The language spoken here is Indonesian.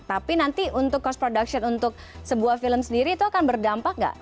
tapi nanti untuk cost production untuk sebuah film sendiri itu akan berdampak nggak